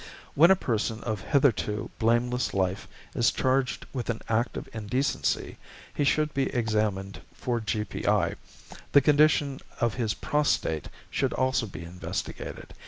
When a person of hitherto blameless life is charged with an act of indecency, he should be examined for G.P.I. The condition of his prostate should also be investigated.